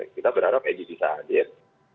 kita berharap egy bisa hadir